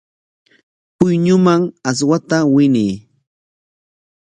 Puyñuman aswata winay.